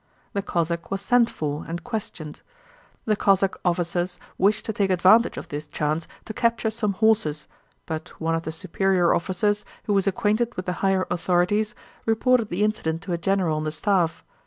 The Cossack was sent for and questioned. The Cossack officers wished to take advantage of this chance to capture some horses, but one of the superior officers, who was acquainted with the higher authorities, reported the incident to a general on the staff.